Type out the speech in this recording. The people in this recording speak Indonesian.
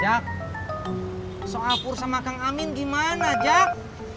ya soal pur sama kang amin gimana jak